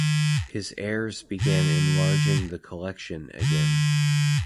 His heirs began enlarging the collection again.